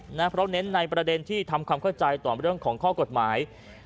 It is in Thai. เพราะเน้นในประเด็นที่ทำความเข้าใจต่อเรื่องของข้อกฎหมาย